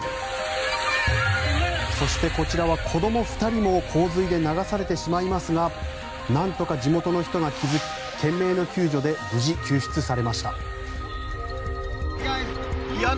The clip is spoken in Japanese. そして、こちらは子ども２人も洪水で流されてしまいますがなんとか地元の人が気付き懸命の救助で無事救出されました。